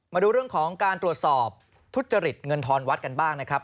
มาดูเรื่องของการตรวจสอบทุจริตเงินทอนวัดกันบ้างนะครับ